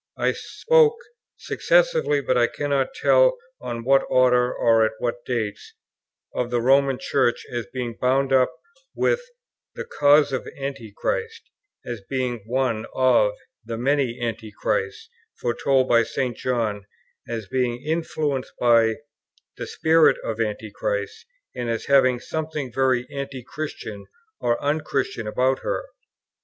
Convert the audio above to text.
I spoke (successively, but I cannot tell in what order or at what dates) of the Roman Church as being bound up with "the cause of Antichrist," as being one of the "many antichrists" foretold by St. John, as being influenced by "the spirit of Antichrist," and as having something "very Anti christian" or "unchristian" about her.